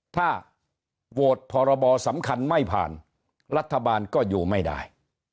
ถ้าโหวตพรบสำคัญไม่ผ่านรัฐบาลก็อยู่ไม่ได้